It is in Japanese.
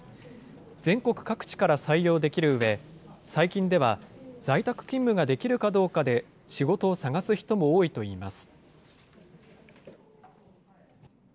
全国各地から採用できるうえ、最近では在宅勤務ができるかどうかで、仕事を探す人も多いといいます。